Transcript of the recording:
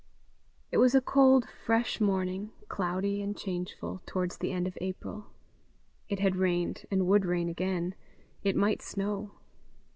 It was a cold, fresh morning, cloudy and changeful, towards the end of April. It had rained, and would rain again; it might snow.